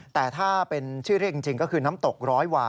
แต่ถ้าเป็นชื่อเรียกจริงก็คือน้ำตกร้อยวา